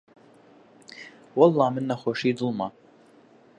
وەڵڵا من نەخۆشیی دڵمە